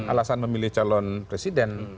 alasan memilih calon presiden